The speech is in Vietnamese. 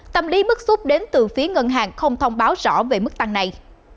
tâm lý bức xúc đến từ phía ngân hàng không thông báo rõ về mức tăng này